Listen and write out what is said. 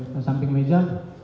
ke samping meja